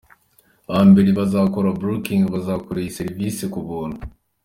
bambere bazakora Booking bazakorerwa iyi Service kubuntu.